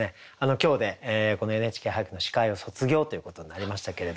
今日でこの「ＮＨＫ俳句」の司会を卒業ということになりましたけれども。